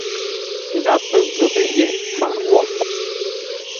Gháp pə ghəpə́ yé faʼ wó.